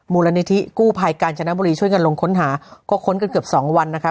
มูลนิธิกู้ภัยกาญจนบุรีช่วยกันลงค้นหาก็ค้นกันเกือบสองวันนะคะ